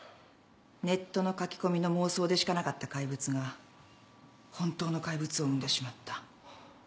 ネットの書き込みの妄想でしかなかった怪物が本当の怪物を生んでしまった。